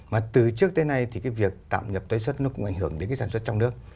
mà từ trước tới nay thì cái việc tạm nhập tái xuất nó cũng ảnh hưởng đến cái sản xuất trong nước